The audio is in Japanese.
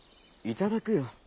いただくよ。